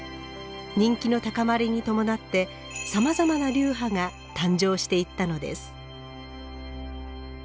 人気の高まりに伴ってさまざまな流派が誕生していったのです。